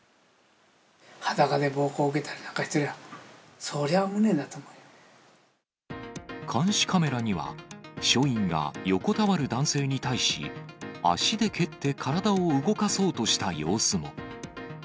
裸で暴行受けたりなんかして監視カメラには、署員が横たわる男性に対し、足で蹴って体を動かそうとした様子も。